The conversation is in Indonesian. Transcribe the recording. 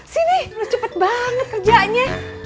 sini lu cepet banget kerjanya